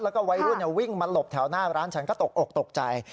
แล้วก็วัยรุ่นวิ่งมาหลบแถวหน้าร้านฉันก็ตกอกตกใจ